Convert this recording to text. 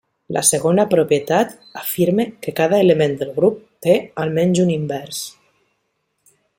La segona propietat afirma que cada element del grup té almenys un invers.